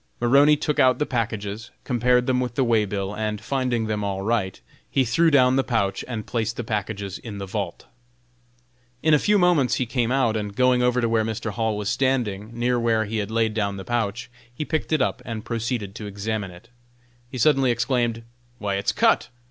Maroney took out the packages, compared them with the way bill, and, finding them all right, he threw down the pouch and placed the packages in the vault. In a few moments he came out, and going over to where Mr. Hall was standing, near where he had laid down the pouch, he picked it up and proceeded to examine it. He suddenly exclaimed, "Why, it's cut!"